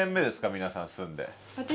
皆さん住んで。